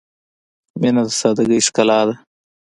• مینه د سادګۍ ښکلا ده.